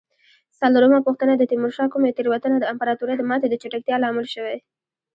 څلورمه پوښتنه: د تیمورشاه کومې تېروتنه د امپراتورۍ د ماتې د چټکتیا لامل شوې؟